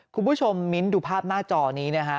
คุณผู้ชมมิ้นดูภาพหน้าจอนี้นะฮะ